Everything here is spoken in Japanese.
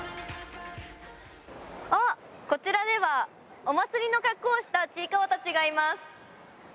こちらではお祭りの格好をしたちいかわたちがいます。